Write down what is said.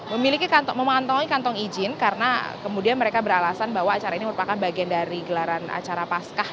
memiliki kantong memantaui kantong izin karena kemudian mereka beralasan bahwa acara ini merupakan bagian dari gelaran acara pascah